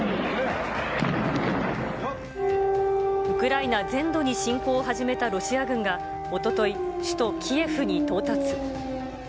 ウクライナ全土に侵攻を始めたロシア軍が、おととい、首都キエフに到達。